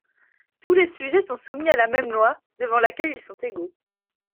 Tous les sujets sont soumis à la même loi, devant laquelle ils sont égaux.